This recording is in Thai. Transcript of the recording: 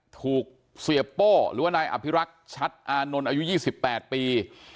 ถูกเสียโป้หรือว่านายอภิรักษ์ชัดอานนท์อายุ๒๘ปี